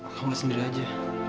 kaka sendiri aja